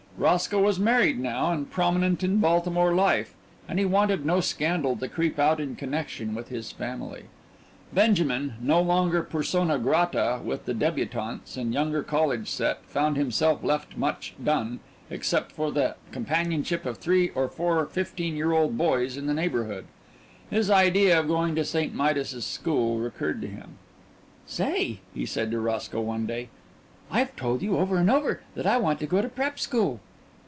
Roscoe was married now and prominent in Baltimore life, and he wanted no scandal to creep out in connection with his family. Benjamin, no longer persona grata with the débutantes and younger college set, found himself left much alone, except for the companionship of three or four fifteen year old boys in the neighbourhood. His idea of going to St. Midas's school recurred to him. "Say," he said to Roscoe one day, "I've told you over and over that I want to go to prep school."